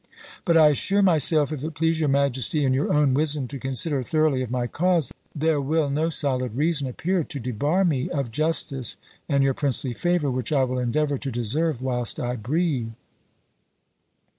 But I assure myself, if it please your majesty in your own wisdom to consider thoroughly of my cause, there will no solid reason appear to debar me of justice and your princely favour, which I will endeavour to deserve whilst I breathe."